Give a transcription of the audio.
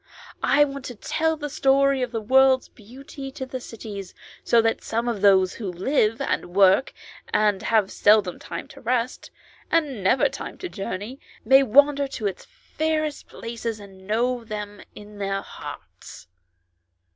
"I want to tell the story of the world's beauty to the cities, so that some of those who live, and work, and have seldom time to rest, and never time to journey, may wander in its fairest places and know them in their hearts."